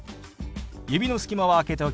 指の隙間は空けておきましょう。